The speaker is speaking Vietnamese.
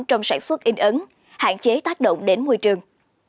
trong sản xuất in ấn hạn chế tác động đến môi trường